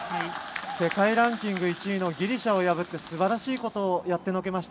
世界ランキング１位のギリシャを破ってすばらしいことをやってのけました。